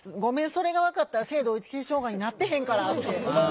それが分かったら性同一性障害になってへんから」って思うんですよ。